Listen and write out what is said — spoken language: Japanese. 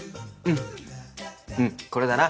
うんこれだな。